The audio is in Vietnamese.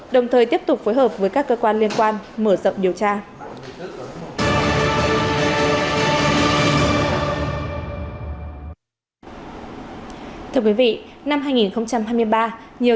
đồng thời tiếp tục phối hợp với các cơ quan liên quan mở rộng điều tra thưa quý vị năm hai nghìn hai mươi ba nhiều